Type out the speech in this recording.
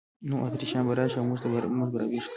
نو اتریشیان به راشي او موږ به را ویښ کړي.